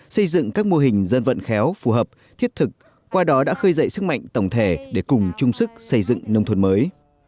xây dựng các mô hình dân vận khéo phù hợp thiết thực qua đó đã khơi dậy sức mạnh tổng thể để cùng chung sức xây dựng nông thuận mới